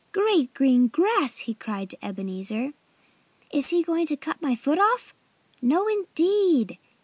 "Great green grass!" he cried to Ebenezer. "Is he going to cut my foot off?" "No, indeed!"